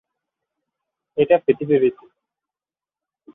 এটা পৃথিবীর রীতি।